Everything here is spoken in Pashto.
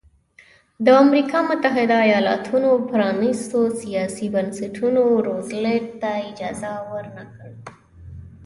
د امریکا متحده ایالتونو پرانیستو سیاسي بنسټونو روزولټ ته اجازه ورنه کړه.